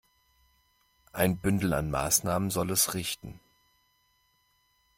Ein Bündel an Maßnahmen soll es richten.